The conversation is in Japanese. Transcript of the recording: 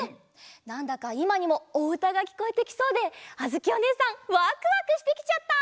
なんだかいまにもおうたがきこえてきそうであづきおねえさんワクワクしてきちゃった！